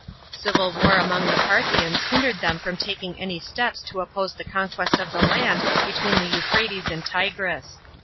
Civil war among the Parthians hindered them from taking any steps to opp se the conquest of ihe land between the Euphrates and Tigris.